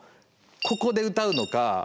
ここで歌うのか